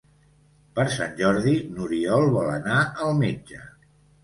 Per Sant Jordi n'Oriol vol anar al metge.